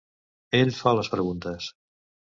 Ell fa les preguntes.